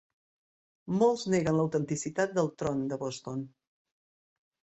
Molts neguen l'autenticitat del tron de Boston.